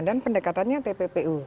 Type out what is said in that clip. dan pendekatannya tppu